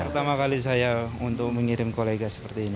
pertama kali saya untuk mengirim kolega seperti ini